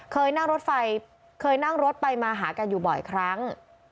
เคยนั่งรถไปมาหากันอยู่บ่อยครั้ง